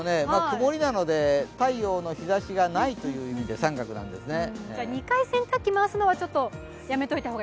曇りなので太陽の日ざしがないという意味で△なんですね。